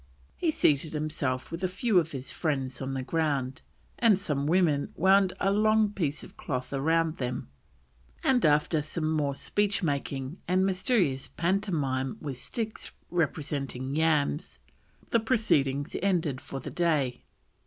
He seated himself with a few of his friends on the ground, and some women wound a long piece of cloth round them, and after some more speech making and mysterious pantomime with sticks representing yams, the proceedings ended for the day.